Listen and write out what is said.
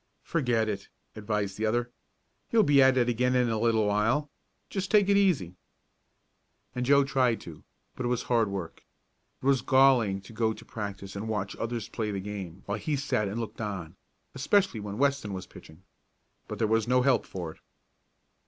"Forget it!" advised the other. "You'll be at it again in a little while. Just take it easy." And Joe tried to, but it was hard work. It was galling to go to practice and watch others play the game while he sat and looked on especially when Weston was pitching. But there was no help for it.